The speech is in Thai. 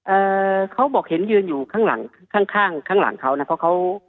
เอ่อเขาบอกเห็นยืนอยู่ข้างหลังข้างข้างข้างข้างหลังเขานะเพราะเขา